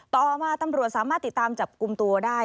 ต่อมาตำรวจสามารถติดตามจับกลุ่มตัวได้